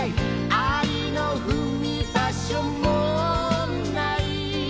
「アリの踏み場所もない」